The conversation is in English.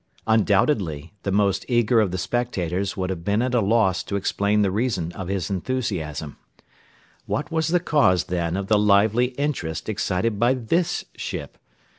Undoubtedly the most eager of the spectators would have been at a loss to explain the reason of his enthusiasm. What was the cause, then, of the lively interest excited by this ship?